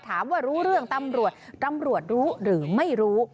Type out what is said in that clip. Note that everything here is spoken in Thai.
รู้เรื่องตำรวจตำรวจรู้หรือไม่รู้